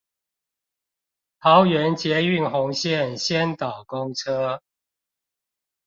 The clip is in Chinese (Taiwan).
桃園捷運紅線先導公車